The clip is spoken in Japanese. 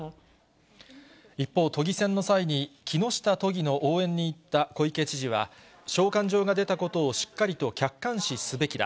一方、都議選の際に木下都議の応援に行った小池知事は、召喚状が出たことをしっかりと客観視すべきだ。